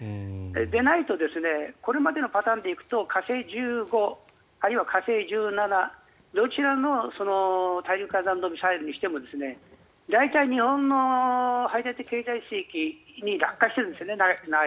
でないとこれまでのパターンでいくと火星１５あるいは火星１７、どちらの大陸間弾道ミサイルにしても大体、日本の排他的経済水域内に落下してるんですね。